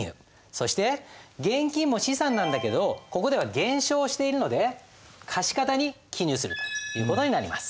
そして現金も資産なんだけどここでは減少しているので貸方に記入するという事になります。